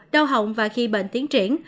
đau hộng và khi bệnh tiến triển